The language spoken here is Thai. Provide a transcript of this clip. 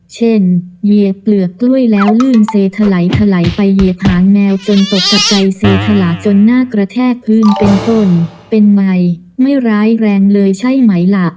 เหยียบเปลือกกล้วยแล้วลื่นเซถลายถลายไปเหยียบหางแมวจนตกจากใจเซสละจนหน้ากระแทกพื้นเป็นต้นเป็นไมค์ไม่ร้ายแรงเลยใช่ไหมล่ะ